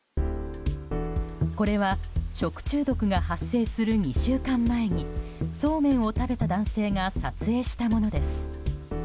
これは食中毒が発生する２週間前にそうめんを食べた男性が撮影したものです。